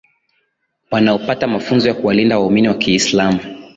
wanaopata mafunzo ya kuwalinda waumini wa kiislamu